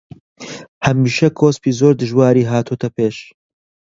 هەمیشە کۆسپی زۆر دژواری هاتۆتە پێش